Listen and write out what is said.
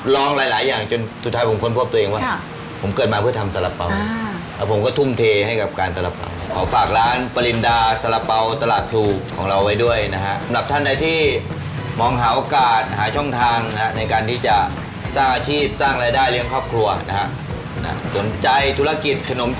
ลองหลายอย่างจนสุดท้ายผมค้นพบตัวเองว่า